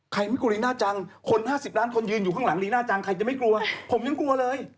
ไม่กลัวลีน่าจังคน๕๐ล้านคนยืนอยู่ข้างหลังลีน่าจังใครจะไม่กลัวผมยังกลัวเลย